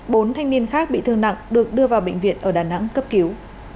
bốn thanh niên khác bị thương nặng được đưa vào bệnh viện ở đà nẵng cấp cứu